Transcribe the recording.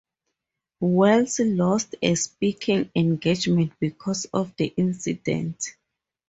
Wells lost a speaking engagement because of the incident.